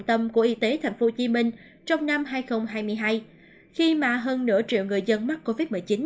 tâm của y tế tp hcm trong năm hai nghìn hai mươi hai khi mà hơn nửa triệu người dân mắc covid một mươi chín